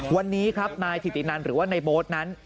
วันนี้ครับนายถิตินันหรือว่าในโบ๊ทนั้น